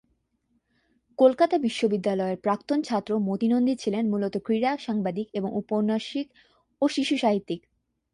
কলকাতা বিশ্ববিদ্যালয়ের প্রাক্তন ছাত্র মতি নন্দী ছিলেন মূলত ক্রীড়া সাংবাদিক এবং উপন্যাসিক ও শিশু সাহিত্যিক।